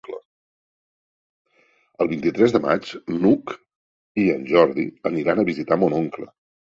El vint-i-tres de maig n'Hug i en Jordi aniran a visitar mon oncle.